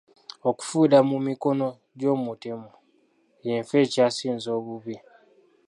Okufiira mu mikono gy'omutemu y'enfa ekyasinze obubi.